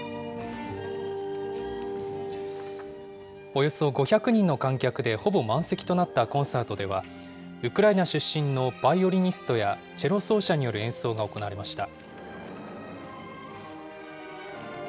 およそ５００人の観客でほぼ満席となったコンサートでは、ウクライナ出身のバイオリニストやチェロ奏者による演奏が行われました。